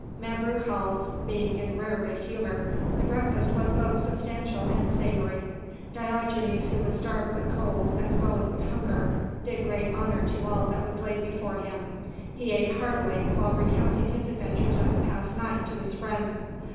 Mevrouw Hals being in rare good humour, the breakfast was both substantial and savoury. Diogenes, who was starved with cold as well as with hunger, did great honour to all that was laid before him: he ate heartily while recounting his adventures of the past night to his friend.